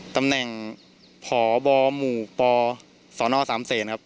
ตำแหน่งพบมปสนสครับ